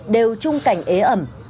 đều trung cảnh ế ẩm